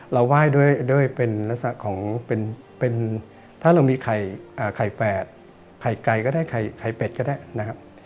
เราว่ายด้วยให้เป็นถ้ามีไข่แปดไข่ไก่ไข่เป็ดก็ได้นะครับ